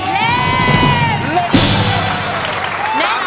เล่นครับ